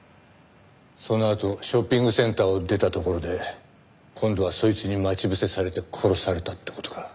そのあとショッピングセンターを出たところで今度はそいつに待ち伏せされて殺されたって事か。